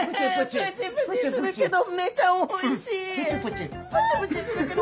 プチプチするけどおいしい！